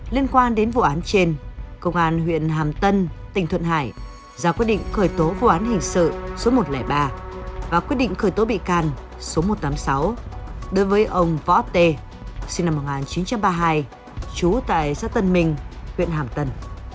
liên quan đến vụ án trên công an huyện hàm tân tỉnh thuận hải ra quyết định khởi tố vụ án hình sự số một trăm linh ba và quyết định khởi tố bị can số một trăm tám mươi sáu đối với ông võ t sinh năm một nghìn chín trăm ba mươi hai trú tại xã tân minh huyện hàm tân